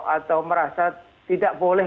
atau merasa tidak boleh